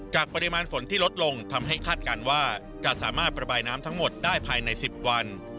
ปริมาณฝนที่ลดลงทำให้คาดการณ์ว่าจะสามารถประบายน้ำทั้งหมดได้ภายใน๑๐วัน